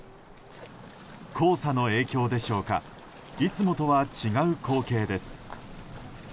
黄砂の影響でしょうかいつもとは違う光景です。